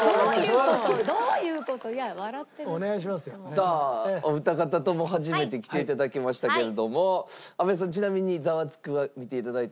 さあお二方とも初めて来て頂きましたけれども阿部さんちなみに『ザワつく！』は見て頂いて。